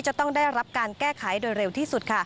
จะต้องได้รับการแก้ไขโดยเร็วที่สุด